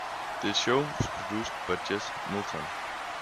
The show was produced by Jess Milton.